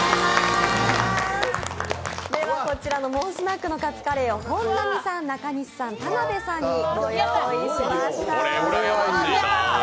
こちらのモンスナックのカツカレーを本並さん、中西さん、田辺さんにご用意しました。